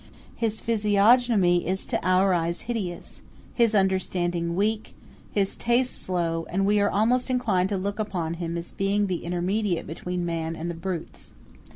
His physiognomy is to our eyes hideous, his understanding weak, his tastes low; and we are almost inclined to look upon him as a being intermediate between man and the brutes.